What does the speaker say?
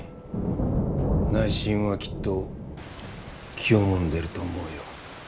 内心はきっと気をもんでると思うよ。